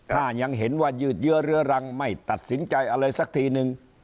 ถ้ายังเห็นว่ายืดเยื้อเรื้อรังไม่ตัดสินใจอะไรสักทีนึง